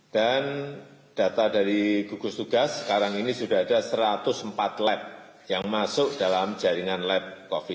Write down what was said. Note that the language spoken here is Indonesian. dan data dari gugus tugas sekarang ini sudah ada satu ratus empat lab yang masuk dalam jaringan lab covid sembilan belas